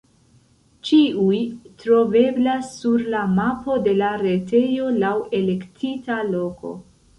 Ĉiuj troveblas sur la mapo de la retejo laŭ elektita loko.